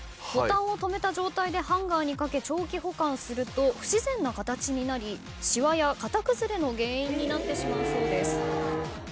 ボタンを留めた状態でハンガーに掛け長期保管すると不自然な形になりしわや形崩れの原因になってしまうそうです。